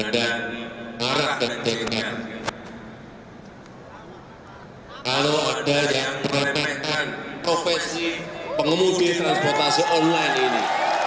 saya terhadap harap dan terima kalau ada yang meremehkan profesi pengemudi transportasi online ini